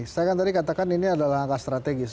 saya kan tadi katakan ini adalah angka strategis